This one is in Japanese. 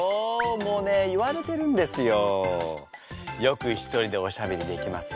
もうね言われてるんですよ。